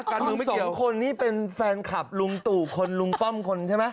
กันเพิ่งไม่เกี่ยวสองคนนี่เป็นแฟนคลับลุงตูคนลุงป้อมคนใช่ไหม